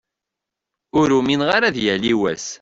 Ur umineɣ ara ad yali wass.